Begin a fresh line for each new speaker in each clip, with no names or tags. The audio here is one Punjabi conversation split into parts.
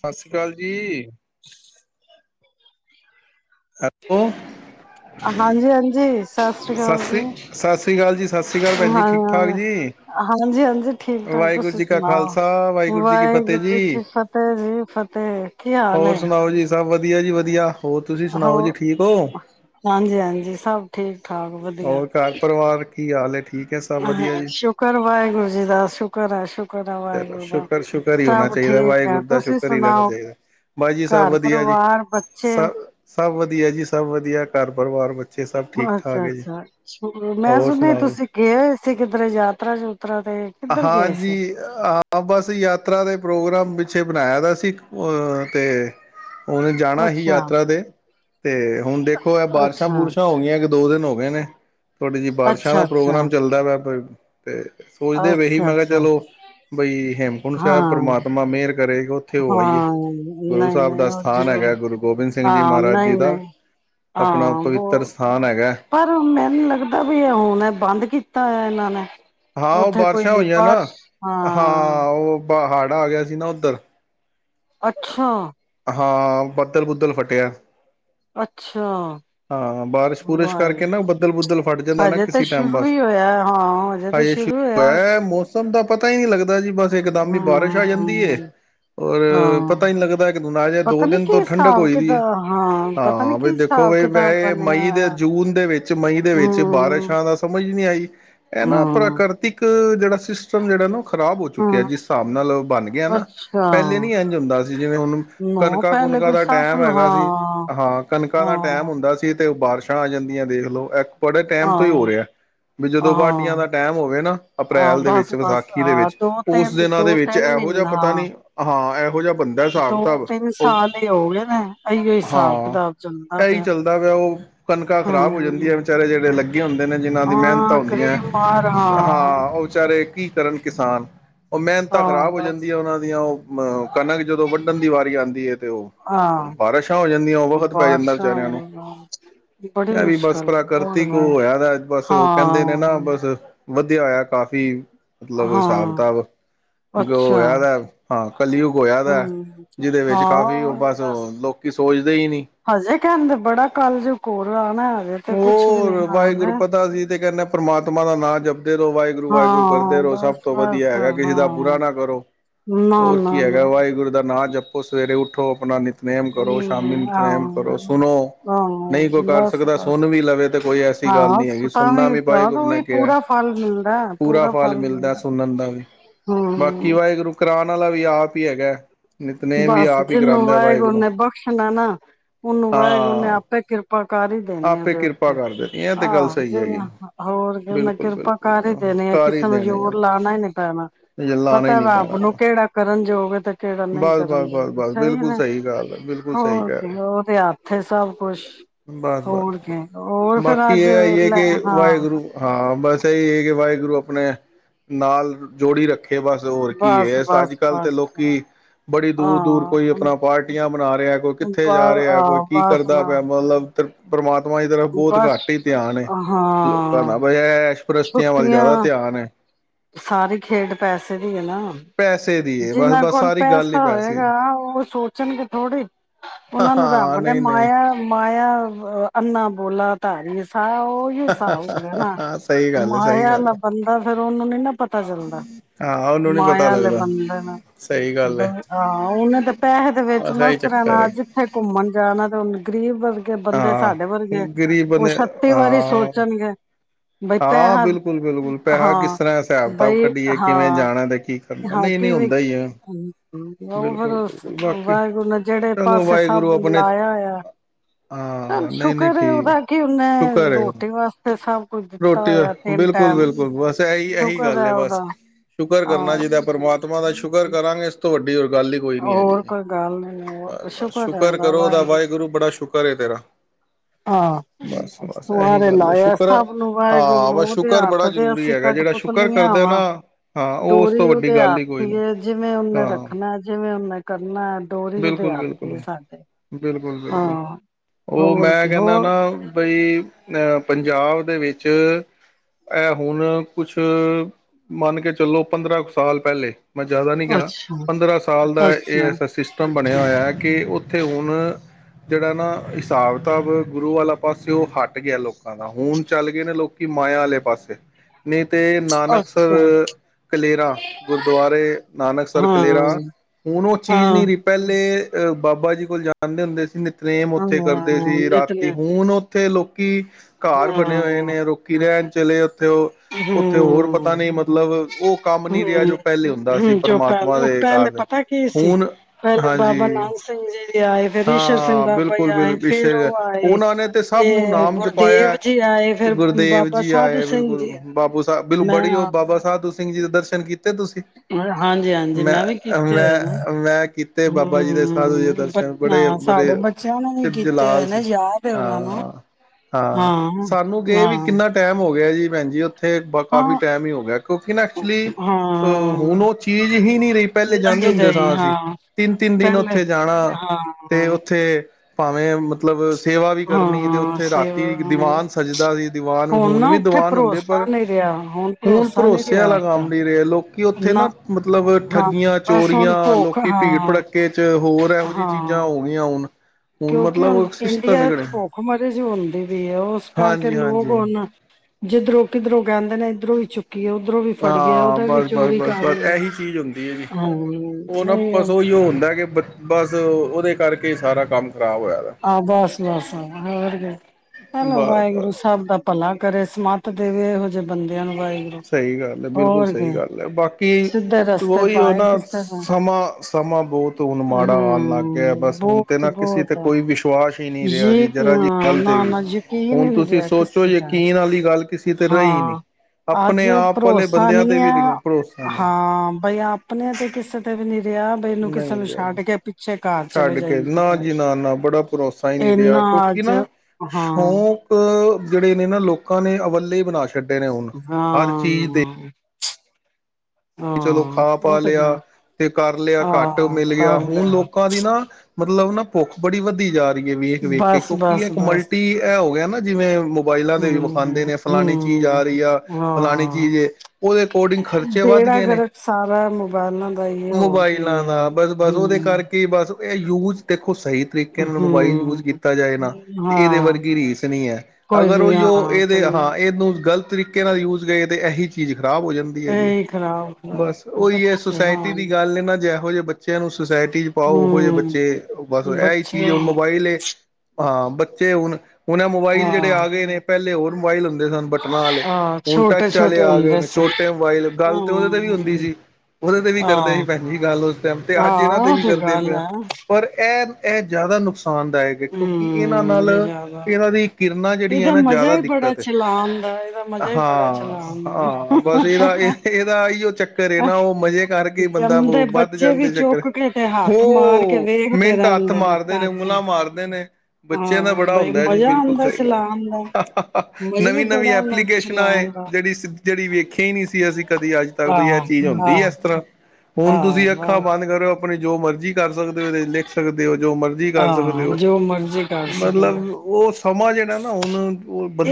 ਸਤਿ ਸ੍ਰੀ ਅਕਾਲ ਜੀ।
[unintelligible] ਹਾਂਜੀ ਹਾਂਜੀ ਸਤਿ ਸ੍ਰੀ ਅਕਾਲ
ਸ਼੍ਰੀ
ਜੀ,
ਸਤਿ ਸ਼੍ਰੀ ਅਕਾਲ ਜੀ, ਸਤਿ ਸ਼੍ਰੀ ਅਕਾਲ ਭੈਣ ਜੀ, ਠੀਕ ਠਾਕ
ਹਾਂ
ਜੀ।
ਹਾਂਜੀ ਹਾਂਜੀ ਠੀਕ ਠਾਕ।
ਵਾਹਿਗੁਰੂ
ਤੁਸੀਂ
ਜੀ ਕਾ
ਸੁਣਾਓ।
ਖਾਲਸਾ, ਜੀ ਕੀ ਫਤਿਹ
ਵਾਹਿਗੁਰੂ ਜੀ ਕੀ ਫਤਿਹ ਜੀ, ਫਤਿਹ। ਕੀ ਹਾਲ ਹੈ
ਹੋਰ ਸੁਣਾਓ ਜੀ ਸਭ ਵਧ ਵਧੀਆ ਜੀ ਵਧੀਆ। ਹੋਰ ਤੁਸੀਂ ਸੁਣਾਓ
ਹੋ
ਜੀ ਠੀਕ ਹੋ?
ਹਾਂਜੀ ਹਾਂਜੀ ਸਭ ਠੀਕ। ਠਾਕ ਵਧੀਆ
ਹੋਰ ਘਰ ਪਰਿਵਾਰ ਕੀ ਆਾਲ ਐ
ਸ਼ੁਕਰ ਵਾਹਿਗੁਰੂ ਜੀ ਦਾ ਸ਼ੁਕਰ ਐ, ਸ਼ੁਕਰ। ਹੈ
ਚਲੋ
ਵਾਹਿਗੁਰੂ ਦਾ
ਸ਼ੁਕਰ ਸ਼ੁਕਰ ਹੀ ਹੋਣਾ
ਸਭ
ਚਾਹੀਦਾ
ਠੀਕ ਹੈ
ਵਾਹਿਗੁਰੂ ਦਾ
ਤੁਸੀਂ
ਸ਼ੁਕਰ ਹੀ ਰਹਿਣਾ
ਸੁਣਾਓ
ਚਾਹੀਦਾ। ਬਾਈ ਜੀ ਸਭ
ਘਰ
ਵਧੀਆ ਜੀ।
ਪਰਿਵਾਰ ਬੱਚੇ
ਸ ਸਭ ਵਧੀਆ ਜੀ, ਸਭ ਵਧੀਆ ਘਰ ਪਰਿਵਾਰ ਬੱਚੇ ਸਭ ਠੀਕ
ਅੱਛਾ
ਠਾਕ ਹੈ ਜੀ।
ਅੱਛਾ, ਮੈਂ
ਹੋਰ
ਸੁਣਿਆ
ਸੁਣਾਓ ਜੀ?
ਤੁਸੀਂ ਗਏ ਹੋਏ ਸੀ ਕਿਧਰੇ ਯਾਤਰਾ ਯੂਤਰਾ ਤੇ ਕਿੱਧਰ ਗਏ ਸੀ
ਹਾਂਜੀ ਹਾਂ ਬਸ ਯਾਤਰਾ ਦੇ ਪ੍ਰੋਗਰਾਮ ਪਿੱਛੇ ਬਣਾਇਆ ਦਾ ਸੀ ਅ ਤੇ ਉਹਨੇ ਜਾਣਾ ਸੀ
ਅੱਛਾ
ਯਾਤਰਾ ਤੇ ਤੇ ਹੁਣ ਦੇਖੋ ਇਹ ਬਾਰਸ਼ਾਂ
ਅੱਛਾ
ਬੁਰਿਸ਼ਾਂ ਹੋ ਗਈਆਂ ਦੋ ਦਿਨ ਹੋ ਗਏ ਨੇ ਤੁਹਾਡੇ ਜੀ ਬਾਰਿਸ਼ਾਂ
ਅੱਛਾ
ਦਾ
ਅੱਛਾ
ਪ੍ਰੋਗਰਾਮ ਚੱਲਦਾ ਵਾ ਬ ਤੇ ਸੋਚਦੇ ਵੇਹੀ
ਅੱਛਾ
ਮੈਂ ਕਿਹਾ
ਅੱਛਾ
ਚਲੋ ਬਈ ਹੇਮਕੁੰਡ ਸਾਹਿਬ
ਹਾਂ
ਪ੍ਰਮਾਤਮਾ ਮੇਹਰ
ਹਾਂ, ਨਈਂ
ਸਾਹਿਬ ਦਾ
ਨਈਂ ਉਹ
ਸਥਾਨ
ਜਿਦੁ
ਹੈਗਾ ਗੁਰੂ ਗੋਬਿੰਦ ਸਿੰਘ ਜੀ
ਹਾਂ
ਮਹਾਰਾਜ ਜੀ
ਨਈਂ
ਦਾ
ਨਈਂ
ਆਪਣਾ
ਹਾਂ ਬੋ
ਪਵਿੱਤਰ ਸਥਾਨ ਹੈਗਾ
ਪਰ ਮੈਨੂੰ ਲੱਗਦਾ ਵੀ ਹੁਣ ਬੰਦ ਕੀਤਾ ਆ ਇਹਨਾਂ ਨੇ
ਹਾਂ, ਉਹ
ਉੱਥੇ
ਬਾਰਿਸ਼ਾਂ
ਕੋਈ
ਹੋਈਆਂ ਨਾ।
ਬਾਹਰ
ਹਾਂ ਉਹ ਪ ਹਾੜ੍ਹ ਆ ਗਿਆ ਸੀ ਨਾ ਉੱਧਰ
ਅੱਛਾ।
ਹਾਂ ਬੱਦਲ-ਬੁੱਦਲ ਫਟਿਆ।
ਅੱਛਾ
ਹਾਂ ਬਾਰਿਸ਼ ਬੁਰਿਸ਼ ਕਰਕੇ ਨਾ ਬੱਦਲ ਬੁੱਦਲ ਫਟ ਜਾਂਦਾ ਨਾ
ਹਜੇ ਤਾਂ
ਕਿਸੇ ਟਾਈਮ
ਸ਼ੁਰੂ
ਬਸ
ਹੀ ਹੋਇਆ ਹਾਂ ਹਜੇ ਤਾਂ ਸ਼ੁਰੂ ਹੀ ਹੋਇਆ
ਸਭ ਦਾ ਪਤਾ ਹੀ ਨਹੀ ਲੱਦਾ ਪਤਾ ਜੀ ਬਸ
ਹਮ ਹਾਂ
ਪਤਾ ਹੀ ਲੱਗਦਾ ਇੱਕ ਦ ਨਾਜੇ
ਪਤਾ
ਦੋ
ਨੀ
ਦਿਨ
ਕੀ
ਤੋਂ ਠੰਡਕ
ਹਿਸਾਬ
ਹੋਈ ਦੀ ਹੈ
ਕਿਤਾਬ ਪਤਾ ਨੀ
ਹਾਂ
ਕੀ
ਬ ਦੇਖੋ
ਹਿਸਾਬ
ਵੀ
ਕਿਤਾਬ
ਵੈਸੇ ਮਈ ਦੇ
ਬਣਿਆ
ਜੂਨ ਦੇ ਵਿੱਚ ਮਈ ਦੇ ਵਿੱਚ
ਹਮ
ਬਾਰਿਸ਼ਾਂ ਦਾ ਸਮਝ ਨਹੀ ਆਈ ਇਹ ਨਾ
ਹਾਂ
ਪ੍ਰਾਕ੍ਰਤਿਕ ਜਿੜਾ ਸਿਸਟਮ ਜਿਹੜਾ ਨਾ ਖਰਾਬ ਹੋ ਚੁੱਕਿਆ
ਹਾਂ
ਜਿਸ ਹਿਸਾਬ ਨਾਲ ਬਣ ਗਿਆ ਨਾ
ਅੱਛਾ
ਪਹਿਲੇ ਨੀ ਇੰਝ ਹੁੰਦਾ ਹੁਣ
ਨਾ
ਕਣਕਾਂ ਕਣਕ
ਪਹਿਲੇ ਕੋਈ
ਦਾ ਟੈਮ
ਸਾਬਣ
ਹੈਗਾ ਸੀ
ਹਾਂ
ਹਾਂ ਕਣਕਾਂ ਦਾ ਟੈਮ
ਹਾਂ
ਹੁੰਦਾ ਸੀ ਤੇ ਬਾਰਿਸ਼ਾਂ ਆ ਜਾਂਦੀਆਂ ਦੇਖਲੋ ਇੱਕ ਬੜੇ ਟਾਈਮ ਤੋਂ ਹੀ ਹੋ
ਹਾਂ
ਰਿਹਾ ਵੀ ਜਦੋਂ ਵਾਢੀਆਂ
ਹਾਂ
ਦਾ ਟਾਈਮ ਹੋਵੇ ਨਾ
ਹਾਂ
ਅਪ੍ਰੈਲ ਦੇ
ਬਸ
ਵਿੱਚ
ਬਸ
ਵਿਸਾਖੀ ਦੇ
ਹਾਂ
ਵਿੱਚ
ਦੋ
ਉਸ
ਤਿੰਨ
ਦਿਨਾਂ ਦੇ
ਦੋ
ਵਿੱਚ
ਤਿੰਨ
ਇਹੋ ਜਿਹਾ
ਮਹੀਨਾ
ਪਤਾ
ਹਾਂ
ਨੀ ਹਾਂ ਹੋ ਜਾ ਬੰਦਾ
ਦੋ
ਹਿਸਾਬਤਾਬ
ਤਿੰਨ
ਉਹ
ਸਾਲ ਹੀ ਹੋ ਗਏ ਨੇ ਇਹੀਓ ਹਿਸਾਬ
ਹਾਂ
ਕਿਤਾਬ ਚੱਲਦਾ
ਇਹੀ
ਪਿਆ
ਚੱਲਦਾ ਵ ਉਹ ਕਣਕਾਂ ਖ਼ਰਾਬ ਹੋ
ਹਮ
ਜਾਂਦੀਆਂ ਵਿਚਾਰੇ ਜਿਹੜੇ ਲੱਗੇ ਹੁੰਦੇ ਨੇ ਜਿਹਨਾਂ ਦੀ ਮਿਹਨਤਾਂ
ਹਾਂ
ਹੁੰਦੀਆਂ
ਗਰੀਬ ਮਾਰ
ਹੈ ਹਾਂ ਉਹ ਵਿਚਾਰੇ ਕੀ ਕਰਨ ਕਿਸਾਨ ਉਹ ਮਿਹਨਤਾਂ
ਹਾਂ
ਖਰਾਬ ਹੋ ਜਾਂਦੀ
ਬਸ
ਹੈ ਉਹਨਾਂ ਦੀਆਂ ਉਹ ਅ ਕ ਜਦੋਂ ਵੱਢਣ ਦੀ ਵਾਰੀ ਆਉਂਦੀ ਹੈ ਤੇ ਉਹ
ਹਾਂ
ਬਾਰਿਸ਼ਾਂ ਹੋ ਜਾਂਦੀਆਂ ਉਹ ਬਹੁਤ ਪੈ ਜਾਂਦਾ
ਬਾਰਸ਼ਾਂ
ਵਿਚਾਰਿਆਂ ਨੂੰ
ਬੜੀ
ਇਹ ਵੀ ਬਸ
ਮੁਸ਼ਕਿਲ ਆ ਬਹੁਤ
ਪ੍ਰਾਕ੍ਰਤਿਕ ਉਹ ਹੋਇਆ ਬਸ
ਹਾਂ
ਉਹ ਕਹਿੰਦੇ ਨੇ ਨਾ ਬਸ ਵਧਿਆਇਆ ਕਾਫ਼ੀ ਮਤਲਬ
ਹਾਂ
ਹਿਸਾਬਤਾਬ
ਅੱਛਾ
ਹੋਇਆ ਦਾ ਹਾਂ ਕਲੀਯੁਗ ਹੋਇਆ ਦਾ ਜਿਹਦੇ ਵਿੱਚ
ਹਾਂ
ਕਾਫ਼ੀ ਉਹ
ਬਸ
ਲੋਕੀ ਸੋਚਦੇ ਹੀ ਨਹੀਂ
ਹਜੇ ਕਹਿੰਦੇ ਬੜਾ ਕੱਲਜ ਕੋਰ ਰਣਾ ਆਜੇ
ਉਹ ਵਾਹਿਗੁਰ ਪਤਾ ਸੀ ਤੇ ਕਹਿੰਦੇ ਪਰਮਾਤਮਾ ਦਾ ਨਾਮ ਭਾਜਪ [inaudible] ਕਰਦੇ ਰਹੋ ਵਾਹਿਗੁਰੂ ਵਾਹਿਗੁਰੂ ਕਰਦੇ
ਹਾਂ
ਰਹੋ ਸਭ
ਬਸ
ਤੋਂ ਵਧੀਆ
ਬਸ
ਹੈਗਾ ਕਿਸੇ ਦਾ ਬੁਰਾ
ਹਾਂ
ਨਾ ਕਰੋ
ਨਾ
ਹੋਰ
ਨਾ
ਕੀ ਹੈਗਾ
ਨਾ
ਵਾਹਿਗੁਰੂ ਦਾ ਨਾਂ ਜਪ ਉਹ ਸਵੇਰੇ ਉੱਠੋ ਆਪ ਨਿਤਨੇਯਮ ਕਰੋ ਸ਼ਾਮੀ
ਹਮ
ਨਿਤਨਯਮ ਕਰੋ ਸੁਣੋ
ਆਹ ਆਹ
ਨਹੀਂ ਕੋਈ ਕਰ
ਬਸ
ਸਕਦਾ
ਬਸ
ਸੁਣ ਵੀ ਲਵੇ ਤੇ ਕੋਈ ਐਸੀ ਗੱਲ ਨਹੀਂੀ
ਹਾਂ
ਹੈਗੀ
ਤਾਂ
ਸੁਣਨਾ ਵੀ ਵਾਹਿਗੁਰੂ
ਤਾਂ ਵੀ
ਨੇ ਕਿਹਾ
ਪੂਰਾ ਫਲ ਮਿਲਦਾ
ਪੂਰਾ ਫਲ ਮਿਲਦਾ ਸੁਣਨ ਦਾ ਵੀ
ਹਮ
ਬਾਕੀ ਵਾਹਿਗੁਰੂ ਕਾਨ ਉਹਨਾਂ ਵਾਲਾ ਵੀ ਆਪ ਹੀ ਹੈਗਾ ਨਿਤਨੇਮ ਵੀ
ਬਸ
ਆਪ ਹੀ
ਜਿਹਨੂੰ
ਕਰਾਉਂਦਾ
ਵਾਹਿਗੁਰੂ ਨੇ ਬਖਸ਼ਣਾ ਨਾ ਉਹਨੂੰ ਵਾਹਿਗੁਰੂ ਨੇ
ਹਾਂ
ਆਪੇ ਕਿਰਪਾ ਕਰੀ ਦੇਣੇ
ਆਪੇ
ਉਹਦੇ
ਕਿਰਪਾ
ਉੱਤੇ
ਕਰ ਦੇਣੀ ਇਹ ਤੇ ਗੱਲ
ਆਹੋ
ਸਹੀ
ਜਿ
ਹੈਗੀ
ਹੋਰਹਿੰਦਾ
ਬਿਲਕੁਲ
ਕਿਰਪਾ
ਬਿਲਕੁਲ
ਕਰ ਹੀ ਦੇਣੇ ਆ
ਕਰ ਹੀ
ਕਿਸੇ ਨੂੰ
ਦੇਣੇ ਆ
ਜ਼ੋਰ ਲਾਣਾ ਹੀ ਨੀ ਪੈਣਾ
ਜੇ ਲਾਣਾ ਹੀ
ਪਤਾ
ਨਹੀਂ ਪੈਣਾ
ਰੱਬ ਨੂੰ
ਵਾ
ਕਿਹੜਾ ਕਰਨ ਜੋਗ [unintelligible] ਕਿਹੜਨਾ
ਬਸ
ਕਰਨ
ਬਸ ਬਸ
ਜਾਦਾ
ਬਸ
ਸਹੀ
ਬਿਲਕੁਲ
ਨੇ
ਗੱਲ ਹੈ ਬਿਲਕੁਲ ਸਹੀ
ਹੋਰ
ਕਹਿ ਰਹੇ
ਕੀ ਉਹਦੇ ਹੱਥ ਸਭ ਖੁਸ਼
ਬਸ ਬਸ ਬਾਕੀ
ਅੱਜ
ਇਹ ਆਈ ਹੈ
ਲੈ
ਕਿ
ਹਾਂ
ਵਾਹਿਗੁਰੂ ਹਾਂ ਬਸ ਇਹੀ ਹੈ ਕਿ ਵਾਹਿਗੁਰੂ ਆਪਣੇ, ਨਾਲ ਜੋੜੀ ਰੱਖ ਖੇ ਬਸ ਹੋਰ ਕੀ
ਬਸ
ਹੈ
ਬਸ
ਅੱਜ-ਕੱਲ੍ਹ ਤੇ
ਬਸ
ਲੋਕੀ, ਬੜੀ ਦੂਰ-ਦੂਰ
ਹਾਂ
ਕੋਈ ਆਪਣਾ ਪਾਰਟੀਆਂ ਮਨਾ ਰਿਹਾ ਕੋਈ
ਬ
ਕਿੱਥੇ ਜਾ ਰਿਹਾ ਕੋਈ ਕੀ
ਬਸ
ਕਰਦਾ ਪਿਆ। [unintelligible] ਪਰਮਾ ਤਮਾ ਦੀ ਤਰਫ ਬਹੁਤ
ਬਸ
ਘੱਟ ਹੀ ਧਿਆਨ ਏ, ਲੋਕਾਂ
ਹਾਂ
ਦਾ ਬਸ ਇਹ ਐਸ਼ਪਰਸਤੀਆਂ ਵੱਲ
ਛੁੱਟੀਆਂ
ਜ਼ਿਆਦਾ ਧਿਆਨ ਏ।
ਸਾਰੀ ਖੇਡ ਪੈਸੇ ਦੀ ਏ। ਏ ਨਾ।
ਪੈਸੇ ਦੀ ਏ ਬਸ
ਜਿਨਾਂ
ਬਸ
ਕੋਲ
ਸਾਰੀ ਗੱਲ ਹੀ
ਪੈਸਾ
ਪੈਸੇ
ਹੋਏਗਾ ਉਹ ਸੋਚਣਗੇ ਥੋੜੀ, ਉਹਨਾਂ ਨੂੰ
ਹਾਂ
ਰੱਬ ਨੇ
ਨਹੀਂ ਨਹੀਂ
ਮਾਇਆ ਮਾਇਆ [unintelligible] ਅੰਨਾ ਬੋਲਾਧਾਰੀ ਉਹੀ ਹਿਸਾਬ ਹੋ ਰਿਹਾ ਨਾ
ਸਹੀ ਗੱਲ ਹੈ ਸਹੀ
ਮਾਇਆ
ਗੱਲ
ਨਾ
ਹੈ
ਬੰਦਾ ਫੇਰ ਉਹਨੂੰ ਨੀ ਨਾ ਪਤਾ ਚੱਲਦਾ।
ਹਾਂ ਉਹਨੂੰ ਨੀ ਪਤਾ
ਮਾਇਆ ਵਾਲੇ
ਲੱਗਦਾ
ਬੰਦੇ ਹਾਂ
ਸਹੀ ਗੱਲ ਹੈ
ਉਹਨੇ ਤੇ ਪੈਸੇ ਦੇ ਵਿੱਚ
ਬਸ ਇਹੀ
ਮਸਤ
ਚੱਕਰ
ਰਹਿਣਾ
ਏ
ਜਿੱਥੇ ਘੁੰਮਣ ਜਾਣਾ ਤੇ ਉਹਨੂੰ ਗ਼ਰੀਬ ਵਰ ਗੇ ਬੰਦੇ
ਹਾਂ
ਸਾਡੇ ਵਰਗੇ
ਗਰੀਬ
ਉਹ
ਬੰਦੇ
ਛੱਤੀ ਵਾਰੀ
ਹਾਂ
ਸੋਚਣਗੇ ਬਈ
ਹਾਂ
ਪੈਹਾ
ਬਿਲਕੁਲ-ਬਿਲਕੁਲ ਪੈਸਾ ਕਿਸ
ਹਾਂ
ਤਰ੍ਹਾਂ ਹਿਸਾਬ-ਕਿਤਾਬ
ਬਈ
ਕੱਢੀਏ ਕਿਵੇਂ
ਹਾਂ
ਜਾਣਾ ਤੇ ਕੀ ਕਰਨਾ
ਹਾਂ
ਨਹੀਂ-ਨਹੀਂ
ਕਿਵੇਂ
ਹੁੰਦਾ ਹੀ ਹੈ
ਉਹ
ਬਿਲਕੁਲ-ਬਿਲਕੁਲ
ਫਿਰ
ਬਾਕੀ,
ਵਾਹਿਗੁਰੂ ਨੇ ਜਿਹੜੇ
ਚਲੋ
ਪਾਸੇ
ਵਾਹਿਗੁਰੂ
ਸਭ
ਆਪਣੇ
ਲਾਇਆ ਹੋਇਆ
ਹਾਂ ਨਹੀਂ-ਨਹੀਂ ਠੀਕ
ਬਾਕੀ ਉਹਨੇ
ਸ਼ੁਕਰ ਹੈ
ਰੋਟੀ ਵਾਸਤੇ ਸਭ ਕੁਝ ਦਿੱਤਾ
ਰੋਟੀ
ਹੋਇਆ ਤਿੰਨ ਟਾਈਮ
ਬਿਲਕੁਲ-ਬਿਲਕੁਲ ਬਸ ਇਹੀ ਇਹੀ
ਸ਼ੁਕਰ
ਗੱਲ
ਹੈ
ਏ ਬਸ
ਉਹਦਾ
ਸ਼ੁਕਰ ਕਰਨਾ
ਹਾਂ
ਚਾਹੀਦਾ ਪਰਮਾਤਮਾ ਦਾ। ਸ਼ੁਗਰ ਕਰਾਂਗੇ ਇਸ ਤੋਂ ਵੱਡੀ ਹੋਰ ਗੱਲ ਹੀ ਕੋਈ ਨੀ ਹੈਗੀ
ਹੋਰ
ਜੀ।
ਕੋਈ ਗੱਲ ਨੀ ਹੋਰ
ਬਸ-ਬਸ
ਹੈ
ਸ਼ੁਕਰ ਕਰੋ ਉਹਦਾ ਵਾਹਿਗੁਰੂ ਬੜਾ ਸ਼ੁਕਰ ਏ ਤੇਰਾ।
ਹਾਂ
ਬਸ-ਬਸ ਇਹੀ
ਦੁਆਰੇ
ਗੱਲ ਏ
ਲਾਇਆ
ਸ਼ੁਕਰ ਆ।
ਸਭ ਨੂੰ ਵਾਹਿਗੁਰੂ ਨੂੰ ਉਹਦੇ ਹੱਥ ਦੇ ਅਸੀਂ ਕੱਟ
ਜਿਹੜਾ ਸ਼ੁਕਰ
ਪੁਤਲੀਆਂ
ਕਰਦਾ
ਵਾ,
ਨਾ ਹਾਂ ਉਹ ਉਸ
ਡੋਰੀ
ਤੋਂ ਵੱਡੀ
ਉਹਦੇ
ਗੱਲ ਹੀ
ਹੱਥ
ਕੋਈ
ਈ
ਨਹੀਂ
ਐ ਜਿਵੇਂ ਉਨ੍ਹੇ
ਹਾਂ
ਰੱਖਣਾ ਜਿਵੇਂ ਉਹਨੇ ਕਰਨਾ ਡੋਰੀ ਉਹਦੇ
ਬਿਲਕੁਲ
ਹੱਥ ਈ
ਬਿਲਕੁਲ
ਸਾਡੇ,
ਬਿਲਕੁਲ
ਹਾਂ
ਬਿਲਕੁਲ
ਹੋਰ ਕੀ ਹੋਰ।
ਐ ਪੰਜਾਬ ਦੇ ਵਿੱਚ ਚ ਇਹ ਹੁਣ ਕੁਛ ਮੰਨ ਕੇ ਚਲੋ ਪੰਦਰਾਂ ਕੁ ਸਾਲ ਪਹਿਲੇ ਮੈਂ ਜ਼ਿਆਦਾ ਨੀ ਕਹਿਣਾ,
ਅੱਛਾ
ਪੰਦਰਾਂ ਸਾਲ ਦਾ ਇਹ
ਅੱਛਾ
ਐਸਾ ਸਿਸਟਮ ਬਣਿਆ ਹੋਇਆ ਕਿ ਉੱਥੇ ਹੁਣ ਜਿਹੜਾ ਨਾ ਹਿਸਾਬ-ਕਿਤਾਬ, ਗੁਰੂ ਵਾਲਾ ਪਾਸੇ ਉਹ ਹਟ ਗਿਆ ਲੋਕ ਕਾ ਦਾ ਹੁਣ ਚੱਲ ਲੋਕੀ ਮਾਇਆ ਵਾਲੇ ਪਾਸੇ ਨਹੀਂ ਤੇ ਨਾਨਕਸਰ
ਅੱਛਾ
ਕਲੇਰਾ, ਗੁਰਦੁਆਰੇ ਨਾਨਕਸਰ
ਹਾਂ
ਕਲੇਰਾ, ਹੁਣ ਉਹ ਚੀਜ਼ ਨਹੀਂ
ਹਾਂ
ਰਹੀ ਪਹਿਲੇ ਤੇ ਬਾਬਾ ਜੀ ਕੋਲ ਜਾਣਦੇ ਹੁੰਦੇ ਸੀ ਨਿੱਤ ਨੇਮ ਉੱਥੇ ਕਰਦੇ ਸੀ
ਹਾਂ
ਰਾਤੀ
ਨਿਤਨੇਮ
ਹੁਣ ਤੇ ਲੋਕੀ ਘਰ ਬਣ ਦਿਤੇ
ਹਾਂ
ਹੋਏ ਨੇ ਲੋਕੀ ਰਹਿਣ ਚਲੇ ਓਥ ਉੱਥੇ ਉਹ, ਉੱਥੇ ਹੋਰ ਪਤਾ ਨੀ ਮਤਲਬ? ਉਹ ਕੰਮ
ਹੁੰ,
ਨੀ ਰਿਹਾ ਜੋ ਪਹਿਲੇ ਹੁੰਦਾ ਸੀ
ਹੁੰ, ਜੋ ਪਹਿਲੇ
ਪਰਮਾਤਮਾ
ਉਹ
ਦੇ ਘਰ
ਪਹਿਲੇ
ਦੇ
ਪਤਾ ਕੀ ਸੀ?
ਹੁਣ
ਪਹਿਲੇ
ਹਾਂਜੀ
ਬਾਬਾ ਨਾਨ ਸਿੰਘ ਜੀ। ਆਏ ਫਿਰ ਈਸ਼ਰ ਸਿੰਘ
ਹਾਂ
ਬਾਬਾ ਜੀ
ਬਿਲਕੁਲ,
ਆਏ
ਬਿਲਕੁਲ
ਫਿਰ
ਪਿਛੇ
ਉਹ ਆਏ
ਉਹਨਾਂ ਨੇ ਤੇ ਸਭ ਨੂੰ
ਇਹ
ਨਾਮ
ਗੁਰਦੇਵ
ਜਪਾਇਆ
ਜੀ ਆਏ ਫਿਰ
ਗੁਰਦੇਵ
ਬਾਬਾ
ਜੀ
ਸਾਧੂ
ਆਏ,
ਸਿੰਘ
ਬਿਲਕੁਲ
ਜੀ ਆਏ
ਬਾਬੂ ਸਾਹਿਬ ਬਿਲਕੁਲ ਬੜੀ ਉਹ
ਮੈਂ
ਬਾਬਾ ਸਾਹਿਬ ਤੁਸੀਂ? ਸਿੰਘ ਜੀ ਦੇ ਦਰਸ਼ਨ ਕੀਤਾ। ਕੀਤੇ ਤੁਸੀਂ
ਹਾਂਜੀ ਹਾਂਜੀ ਵੀ
ਮੈਂ-
ਕੀਤੇ ਹੋਏ ਨੇ
ਮੈ- ਮੈਂ ਕੀਤੇ ਬਾਬਾ ਜੀ ਦੇ ਸਾਧੂ ਦੇ
ਹਮ
ਦਰਸ਼ਨ ਬੜੇ,
ਹਾਂ
ਬੜੇ
ਸਾਡੇ ਬੱਚਿਆਂ ਨੂੰ ਵੀ
ਸਿੱਧ
ਕੀਤੇ
ਲਾਲ
ਹੋਏ
ਸੀ।
ਨੇ ਯਾਦ ਹੈ ਉਹਨਾਂ ਨੂੰ
ਹਾਂ, ਹਾਂ ਸਾਨੂੰ ਗਏ ਵੀ ਕਿੰਨਾ, ਟਾਈਮ ਹੋ ਗਿਆ ਜੀ, ਭੈਣਜੀ ਓਥ ਉੱਥੇ ਕਾਫੀ
ਹਾਂ
ਟਾਈਮ ਹੀ ਹੋ ਗਿਆ। ਕਿਉਂਕਿ ਨਾ ਐਕਚੁਲੀ ਅ
ਹਾਂ
ਹੁਣ ਉਹ ਚੀਜ਼ ਹੀ ਨਹੀਂ। ਰਹੀ ਪਹਿਲੇ ਜਾਂਦੇ
ਨਹੀਂ
ਹੁੰਦੇ
ਨਹੀਂ
ਸਾਂ। ਅਸੀਂ
ਹਾਂ
ਤਿੰਨ, ਤਿੰਨ ਦਿਨ
ਪਹਿਲੇ
ਉੱਥੇ ਜਾਣਾ ਤੇ
ਹਾਂ
ਉੱਥੇ ਭਾਵੇਂ ਮਤਲਬ ਸੇਵਾ ਵੀ ਕਰਨੀ ਤੇ
ਹਾਂ
ਉੱਥੇ
ਸੇਵ
ਰਾਤੀ ਦੀਵਾਨ ਸੱਜਦਾ ਸੀ ਦੀਵਾਨ ਹੁਣ
ਨਾ
ਵੀ
ਉੱਥੇ
ਦੀਵਾਨ ਹੁੰਦੇ
ਭਰੋਸਾ
ਪਰ
ਨਹੀਂ ਰਿਹਾ
ਹੁਣ
ਭਰੋਸਾ ਨਹੀਂ
ਭਰੋਸੇ
ਰਿਹਾ
ਵਾਲਾ ਕੰਮ
ਤਾਂ
ਨ ਰਿਹਾ ਲੋਕੀ ਉੱਥੇ ਨਾ ਮਤਲਬ
ਹਾਂ
ਠੱਗੀਆਂ
ਬਸ ਹੁਣ
ਚੋਰੀਆਂ
ਭੁੱਖ
ਲੋਕੀ ਭੀੜ
ਹਾਂ
ਭੜੱਕੇ ਚ ਹੋਰ ਇਹੋ ਜਿਹੀ ਚੀਜ਼ਾਂ
ਹਾਂ
ਹੋ ਗਈਆਂ ਹੋੁਣ
ਕਿਉਂਕਿ ਹੁਣ ਇੰਡੀਆ ਚ ਭੁੱਖ ਮਰੀਜ਼ ਹੁੰਦੀ ਵੀ ਹੈ ਉਸ ਕਰਕੇ
ਹਾਂਜੀ ਹਾਂਜੀ
ਲੋਕ ਹੁਣ ਜਿਧਰੋਂ ਕਿੱਧਰੋਂ ਕਹਿੰਦੇ ਨੇ ਇੱਧਰੋਂ ਹੀ ਚੁੱਕ
ਹਾਂ ਬਸ ਬਸ ਬਸ
ਕਰ
ਬਸ
ਲਈਏ।
ਇਹੀ ਚੀਜ਼ ਹੁੰਦੀ ਹੈ ਜੀ
ਹਾਂਜੀ
ਉਹ ਨਾ
ਨਹੀਂ
ਪਰਸੋਂ ਹੀ ਹੁੰਦਾ ਕਿ ਬਸ ਉਹਦੇ ਕਰਕੇ ਸਾਰਾ ਕੰਮ ਖ਼ਰਾਬ ਹੋਇਆ ਦਾ
ਆ ਬਸ ਬਸ
ਬਸ ਬਸ
ਵਾਹਿਗੁਰੂ ਸਭ ਦਾ ਭਲਾ ਕਰੇ ਦੇਵੇ ਇਹੋ ਜਹੇ ਬੰਦਿਆਂ ਨੂੰ ਵਾਹਿਗੁਰੂ।
ਸਹੀ ਗੱਲ ਹੈ ਬਿਲਕੁਲ
ਹੋਰ ਕੀ
ਸਹੀ ਗੱਲ ਹੈ ਬਾਕੀ
ਸਿੱਧੇ ਰਸਤੇ
ਉਹੀ ਉਹ ਨਾ
ਪਾਏ ਕਿਸੇ ਨੂੰ
ਸਮਾਂ ਸਮਾਂ ਬਹੁਤ ਹੁਣ ਮਾੜਾ ਆਉਣ ਲੱਗ ਗਿਆ
ਹੂੰ
ਬਸ ਹੁਣ ਤੇ
ਬਹੁਤ
ਨਾ ਕਿਸੇ ਤੇ
ਬਹੁਤ
ਕੋਈ ਵਿਸ਼ਵਾਸ ਹੀ ਨਹੀਂ ਰਿਹਾ ਜੀ
ਯ
ਜਰਾ ਜੀ ਗ ਤੇ
ਨਾ
ਵੀ
ਨਾ ਯਕੀਨ
ਹੁਣ
ਹੀ ਨਹੀਂ
ਤੁਸੀਂ
ਰਿਹਾ
ਸੋਚੋ
ਕਿਸੇ ਦਾ।
ਯਕੀਨ ਵਾਲੀ ਗੱਲ ਕਿਸ ਤੇ ਰਹੀ ਨਹੀਂ
ਹਾਂ ਅੱਜ
ਆਪਣੇ ਆਪ ਵਾਲੇ
ਭਰੋਸਾ
ਬੰਦਿਆਂ ਤੇ
ਨਹੀਂੀ
ਵੀ
ਆ
ਭਰੋਸਾ ਨਹੀਂ
ਹਾਂ ਬਈ ਆਪਣੇ ਤੇ ਕਿਸੇ ਤੇ ਵੀ ਨਹੀਂੀ ਰਿਹਾ ਬਈ ਇਹਨੂੰ ਕਿਸੇ
ਨਹੀਂ
ਨੂੰ
ਰਿਹਾ
ਛੱਡ ਕੇ ਪਿੱਛੇ ਘਰ ਚਲੇ
ਛੱਡ ਕੇ
ਜਾਈਏ
ਨਾ
ਕਿਧਰ
ਜੀ ਨਾ ਨਾ ਬੜਾ ਭਰੋਸਾ ਹੀ ਨਹੀਂ ਰਿਹਾ
ਇਨਾ
ਕਿਉਂਕਿ
ਅੱਜ
ਨਾ
ਹਾਂ
ਸ਼ੌਕ ਜਿਹੜੇ ਨੇ ਨਾ ਲੋਕਾਂ ਨੇ ਅਵੱਲੇ ਬਣਾ ਛੱਡੇ ਨੇ ਹੁਣ ਹਰ ਚੀਜ਼ ਦੇ
ਹਾਂ
ਵੀ ਚਲੋ
ਹਾਂ
ਖਾ ਪਾ
ਉਹ ਤੇ
ਲਿਆ
ਹੈ
ਤੇ ਕਰ ਲਿਆ ਘੱਟ
ਹਾਂ
ਮਿਲ ਗਿਆ
ਕਰ
ਹੁਣ
ਲਿਆ
ਲੋਕਾਂ ਦੀ ਨਾ ਮਤਲਬ ਨਾ ਭੁੱਖ ਬੜੀ ਵੱਧਦੀ ਜਾ ਰਹੀ ਵੇਖ ਵੇਖ ਕੇ
ਬਸ
ਕਿਉਂਕਿ
ਬਸ
ਇੱਕ
ਬਸ
ਮਲਟੀ ਇਹ ਹੋ ਗਿਆ ਨਾ ਜਿਵੇਂ ਮੋਬਾਇਲਾਂ ਤੇ ਵੀ
ਹਮ
ਵਿਖਾਉਦੇ ਨੇ ਫਲਾਣੀ ਚੀਜ਼
ਹਮ
ਆ ਰਹੀ ਆ ਫਲਾਣੀ
ਹਾਂ
ਚੀਜ਼ ਉਹਦੇ ਅਕੋਰਡਿੰਗ ਖਰਚੇ ਵੱਧ
ਕਿਹੜਾ
ਗਏ ਨੇ
ਕਰਕੇ ਸਾਰਾ ਮੋਬਾਇਲਾਂ ਦਾ ਹੀ ਹੋਰ ਵੀ
ਮੋਬਾਇਲਾਂ ਦਾ ਬਸ ਬਸ ਉਹਦੇ
ਹਮ
ਕਰਕੇ ਬਸ ਇਹ ਯੂਜ ਦੇ ਦੇਖੋ ਸਹੀ ਤਰੀਕੇ ਨਾਲ ਮੋਬਾਈਲ ਯੂਜ ਕੀਤਾ ਜਾਏ ਨਾ
ਹਮ
ਤੇ ਇਹਦੇ
ਹਾਂ
ਵਰਗੀ ਰੀਸ ਨਹੀਂ ਹੈ
ਕੋਈ
ਅਗਰ ਉਹ
ਨੀ
ਉਹ
ਹਾਂ
ਇਹਦੇ ਹਾਂ
ਚੰਗਾ
ਇਹਨ ਗਲਤ ਤਰੀਕੇ ਨਾਲ ਯੂਜ ਗਏ ਤੇ ਇਹੀ ਚੀਜ਼ ਖ਼ਰਾਬ ਹੋ ਜਾਂਦੀ
ਇਹ
ਹੈਗੀ
ਹੀ ਖ਼ਰਾਬ ਖ਼ਰਾਬ
ਬਸ ਉਹੀ ਹੈ
ਬੱਚੇ
ਸੁਸਾਇਟੀ
ਹਾਂ
ਦੀ ਗੱਲ ਨਾ ਜਿਹੋ ਜਿਹੇ ਬੱਚਿਆਂ ਨੂੰ ਸੁੋਸਾਇਟੀ ਚ ਪਾਓ ਉਹ ਜਿਹੇ
ਹੂੰ
ਬੱਚੇ ਬਸ ਇਹਹੀ
ਬੱਚੇ
ਚੀਜ਼ ਹੁਣ ਮੋਬਾਇਲ ਏ ਹਾਂ ਬੱਚੇ ਹੁਣ ਹੁਣ ਮੋਬਾਈਲ ਜਿਹੜੇ
ਹਾਂ
ਆ ਗਏ ਨੇ ਪਹਿਲੇ ਹੋਰ ਵਾਈਲ ਸਨ ਬਟਨਾਂ ਵਾਲੇ
ਹਾਂ
ਹੁਣ
ਛੋਟੇ
ਟੱਚ ਵਾਲੇ
ਛੋਟੇ
ਆ ਗਏ
ਹੁੰਦੇ
ਨੇ
ਸੀ
ਛੋਟੇ ਮੋਬਾਈਲ ਗਲਤ ਤੇ ਉਹਦੇ ਤੇ ਵੀ ਹੁੰਦੀ
ਹੂੰ
ਸੀ ਉਹਦੇ ਤੇ ਵੀ
ਹਾਂ
ਕਰਦੇ ਸੀ ਭੈਣ ਜ ਗੱਲ ਉਸ ਟਾਈਮ ਤੇ ਅੱਜ
ਹਾਂ
ਇਹਨਾਂ ਤੇ
ਉਹ
ਵੀ ਕਰਦੇ
ਗੱਲ
ਪਏ ਆ
ਹੈ
ਪਰ ਇਹ ਇਹ ਜ਼ਿਆਦਾ ਨੁਕਸਾਨ ਨੁਕਸਾਨਦਾਇਕ ਹੈ ਕਿਉਂਕਿ ਇਹਨਾਂ
ਹੂੰ
ਨਾਲ
ਇਹ ਜ਼ਿਆਦਾ
ਇਹਨਾਂ ਦੀ ਕਿਰਨਾਂ ਜਿਹੜੀ ਹੈ
ਇਹਦਾ
ਨਾ
ਮਜ਼ਾ
ਜ਼ਿਆਦਾ
ਹੀ ਬੜਾ
ਦਿੱਕਤ ਹੈ
ਚਲਾਉਣ ਦਾ ਇਹਦਾ ਮਜ਼ਾ ਹੀ ਬੜਾ
ਹਾਂ
ਚਲਾਉਣ ਦਾ
ਹਾਂ ਬਸ ਇਹਦਾ ਇਹ ਇਹਦਾ ਓ ਚੱਕਰ ਨਾ ਉਹ ਮਜ਼ੇ ਕਰਕੇ ਬੰਦਾ
ਜੰਮਦੇ
ਵੱਧ
ਬੱਚੇ ਵੀ
ਜਾਂਦੇ ਚੱਕਰ
ਚੁੱਕ ਕੇ ਤੇ ਹੱਥ ਮਾਰ ਕੇ
ਉਹ
ਵੇਖਦੇ
ਮਿੰਟ ਹੱਥ
ਰਹਿੰਦੇ
ਮਾਰਦੇ ਨੇ
ਟੱਚ
ਉਂਗਲਾਂ ਮਾਰਦੇ ਨੇ ਬੱਚਿਆਂ ਦਾ
ਹਾਂ
ਬੜਾ
ਬਈ
ਹੁੰਦਾ ਜੀ
ਮਜ਼ਾ
ਬਿਲਕੁਲ
ਆਉਂਦਾ
ਸਹੀ
ਚਲਾਣ ਦਾ
ਗੱਲ
ਮਜ਼ਾ ਹੀ
ਨਵੀਂ ਨਵੀਂ
ਬੜਾ ਉਹਨਾਂ ਨੂੰ
ਐਪਲੀਕੇਸ਼ਨਆ ਏ
ਚਲਾਣ ਦਾ
ਜਿਹੜੀ ਜਿਹੜੀ ਵੇਖੀ ਹੀ ਨਹੀਂੀ ਸੀ ਅਸੀਂ ਕਦੀ ਅੱਜ ਤੱਕ ਵੀ ਇਹ ਚੀਜ਼
ਆਹ
ਹੁੰਦੀ ਹੈ
ਆਹ
ਇਸ ਤਰ੍ਹਾਂ ਹੁਣ ਤੁਸੀਂ
ਆਹ
ਅੱਖਾਂ
ਬਸ
ਬੰਦ ਕਰਿਓ ਆਪਣੀ ਜੋ ਮਰਜ਼ੀ ਕਰ ਸਕਦੇ ਹੋ ਲਿਖ ਸਕਦੇ ਹੋ ਜੋ ਮਰਜ਼ੀ ਕਰ ਸਕਦੇ ਹੋ
ਹਾਂ ਜੋ ਮਰਜ਼ੀ ਕਰ ਸਕਣਾ
ਮਤਲਬ ਉਸ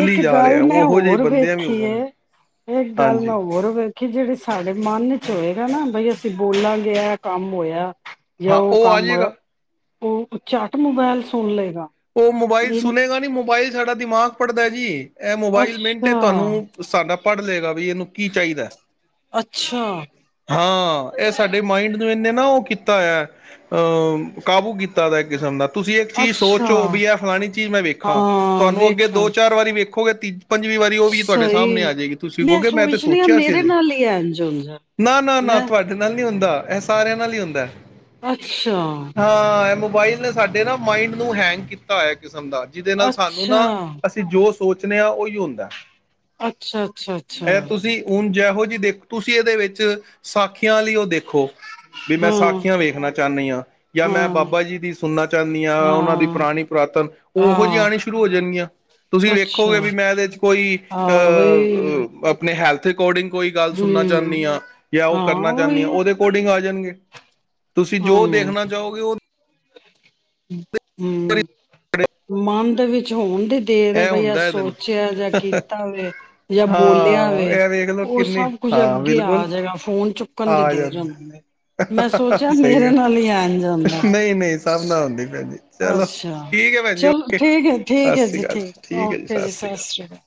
ਇੱਕ
ਜਾ
ਗੱਲ
ਰਿਹਾ
ਮੈਂ
ਉਹੋ ਜਿਹੇ
ਹੋਰ
ਬੰਦਿਆਂ ਵੀ ਹੋ
ਵੇਖੀ
ਗਏ ਨੇ
ਇੱਕ ਗੱਲ ਮੈਂ
ਹਾਂਜੀ
ਹੋਰ ਵੇਖੀ ਕਿ ਜਿਹੜੇ ਸਾਡੇ ਮਨ ਚ ਹੋਏਗਾ ਨਾ ਬਈ ਅਸੀਂ ਬੋਲਾਂਗੇ ਕੰਮ ਹੋਇਆ ਜੇ
ਹਾਂ ਉਹ ਆ
ਕੰਮ ਹੋਇਆ
ਜਾਏਗਾ
ਉਹ ਚੱਟ ਮੋਬਾਇਲ ਸੁਣ ਲਏਗਾ
ਉਹ ਮੋਬਾਈਲ
ਇਹ
ਸੁਣੇਗਾ ਨੀ ਮੋਬਾਈਲ ਸਾਡਾ ਦਿਮਾਗ ਪੜਦਾ ਜੀ ਇਹ ਮੋਬਾਈਲ
ਅੱਛਾ
ਮਿੰਟੇ ਤੁਹਾਨੂੰ ਸਾਡਾ ਪੜ੍ਹ ਲਏਗਾ ਵੀ ਇਹਨੂੰ ਕੀ ਚਾਹੀਦੈ।
ਅੱਛਾ
ਹਾਂ ਇਹ ਸਾਡੇ ਮਾਇੰਡ ਨੂੰ ਨੂੰ ਨਾ ਉਹ ਕੀਤਾ ਹੈ ਅਹ ਕਾਬੂ ਕੀਤਾ ਦਾ ਇੱਕ ਕਿਸਮ ਦਾ। ਤੁਸੀਂ ਇੱਕ ਚੀਜ਼
ਅੱਛਾ
ਸੋਚੋ ਵੀ ਇਹ ਫਲਾਣੀ ਚੀਜ਼ ਮੈਂ ਵੇਖਾਂ
ਹਾਂ
ਤੁਹਾਨੂੰ ਅੱਗੇ ਦੋ
ਵੇਖਾਂ
ਚਾਰ ਵਾਰੀ ਵੇਖ ਗੇ ਤੀਜੀ
ਸਹੀ ਮੈਂ
ਕਹੋਗੇ ਤੇ
ਸੋਚਣੀ ਆਾ
ਸੋਚਿਆ ਸੀ
ਮੇਰੇ
ਅਜੇ
ਨਾਲ ਹੀ ਐੰਝੰ ਹੁੰਦਾ।
ਨਾ ਨਾ ਨਾ ਤੁਹਾਡੇ ਨਾਲ ਨਹੀਂ ਹੁੰਦਾ ਇਹ ਸਾਰਿਆਂ ਨਾਲ ਹੀ ਹੁੰਦਾ।
ਅੱਛਾ
ਹਾਂ ਮੋਬਾਈਲ ਨੇ ਸਾਡੇ ਨਾ ਮਾਇੰਡ ਨੂੰ ਹੈਂਗ ਕੀਤਾ ਹੋਇਆ ਕਿਸਮ ਜਿਹਦੇ ਨਾਲ ਸਾਨੂੰ
ਅੱਛਾ
ਨਾ ਅਸੀਂ ਜੋਸ਼ ਸੋਚਣ ਆਾ ਉਹੀ ਹੁੰਦਾ ਐ।
ਅੱਛਾ ਅੱਛਾ ਅੱਛਾ।
ਦੇਖੋ, ਤੁਸੀਂ ਇਹਦੇ ਵਿੱਚ ਸਾਖੀਆਂ ਲਈ ਉਹ ਦੇਖੋ। ਵੀ ਮੈਂ
ਹਾਂ
ਸਾਖੀਆਂ ਵੇਖਣਾ ਚਾਹਣੀ ਹਾਂ, ਜਾਂ ਮੈਂ
ਹਾਂ
ਬਾਬਾ ਜੀ ਦੀ ਸੁਣਨਾ ਚਾਹਣੀ ਹਾਂ। ਉਹਨਾਂ ਦੀ ਪੁਰਾਣੀ ਪੁਰਾਤਨ ਉਹੋ ਜਿਹੀਆ
ਹਾਂ
ਆਣੀਆ ਸ਼ੁਰੂ ਹੋ ਜਾਣਗੀਆਂ। ਤੁਸੀਂ
ਅੱਛਾ
ਵੇਖੋਗੇ ਵੀ ਮੈਂ ਇਹਦੇ ਚ ਕੋਈ
ਹਾਂ ਬਈ
ਅਹ ਆਪਣੇ ਹੈਲਥ ਰਿਕਾਰਡਿੰਗ ਕੋਈ ਗੱਲ ਸੁਣਨਾ
ਹੂੰ
ਚਾਹਣੀ ਹਾਂ। ਉਹ
ਹਾਂ
ਕਰਨਾ ਚਾਹਣੀ ਆ।
ਉਹੀ
ਉਹਦੇ ਅਕੋਡਿੰਗ ਆ ਜਾਣਗੇ। ਤੁਸੀਂ
ਹਾਂ
ਜੋ ਦੇਖਣਾ ਚਾਹੋਗੇ, ਉਹ
ਹੂੰ। ਮਨ ਦੇ ਵਿੱਚ ਹੋਣ ਦੇ ਦੇ ਰਹੇ
ਇਹ
ਬਈ। ਆ
ਹੁੰਦਾ ਇਹਦੇ ਨਾਲ
ਸੋਚਿਆ ਜਾਂ ਕੀਤਾ ਵਾ, ਜਾਂ ਬੋਲਿਆ
ਹਾਂ
ਵਾ,
ਇਹ ਵੇਖ ਲਓ
ਉਹ
ਕਿੰਨੀ
ਸਭ ਕੁੱਝ
ਹਾਂ
ਅੱਗੇ
ਬਿਲਕੁਲ
ਆ ਜਾਏਗਾ, ਫੋਨ ਚ ਚੁੱਕਣ ਦੀ
ਆ
ਦੇਰ
ਜਾਂਦਾ
ਹੀ, ਮੈਂ ਸੋਚਿਆ
ਸਹੀ
ਮੇਰੇ
ਗੱਲ
ਨਾਲ ਹੀ ਇੰਝ ਹੁੰਦਾ।
ਨਹੀਂ ਨਹੀਂ ਸਭ ਨਾਲ ਹੁੰਦੀ। ਭੈਣ ਜੀ ਚਲੋ
ਅੱਛਾ,
ਠੀਕ ਹੈ ਭੈਣ ਜੀ
ਚਲੋ
ਓਕੇ
ਠੀਕ ਹੈ, ਠੀਕ
ਸਤਿ
ਹੈ ਜੀ,
ਸ੍ਰੀ ਅਕਾਲ
ਠੀਕ,
ਹੈ
ਓਕੇ ਜੀ,
ਸ੍ਰੀ
ਸਤਿ ਸ਼੍ਰੀ ਅਕਾਲ।